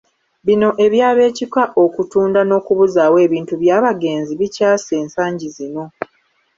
Bino eby’ab'ekika okutunda n’okubuzaawo ebintu by’abagenzi bikyase nsangi zino.